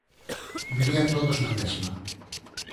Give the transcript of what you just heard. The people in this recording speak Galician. Vivían todos na mesma.